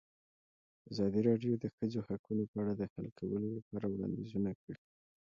ازادي راډیو د د ښځو حقونه په اړه د حل کولو لپاره وړاندیزونه کړي.